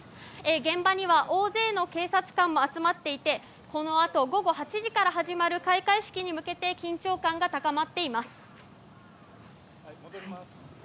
現場には大勢の警察官も集まっていてこのあと午後８時から始まる開会式に向けて緊張感が高まっています。